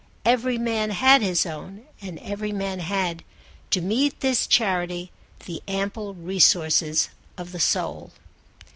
Every man had his own, and every man had, to meet this charity, the ample resources of the soul.